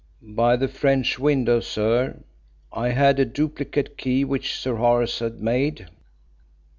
"By the French window, sir. I had a duplicate key which Sir Horace had made."